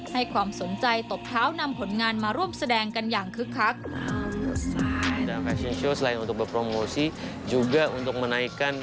ให้ความสนใจตบเท้านำผลงานมาร่วมแสดงกันอย่างคึกคัก